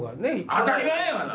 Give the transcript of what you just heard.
当たり前やがな！